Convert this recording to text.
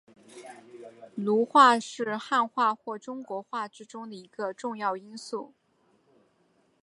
儒化是汉化或中国化之中的一个重要因素。